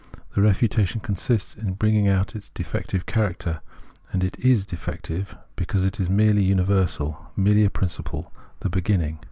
The refutation consists in bringing out its defective character ; and it is defective because it is merely the universal^ merely a principle, the beginning.